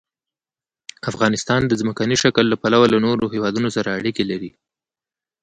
افغانستان د ځمکنی شکل له پلوه له نورو هېوادونو سره اړیکې لري.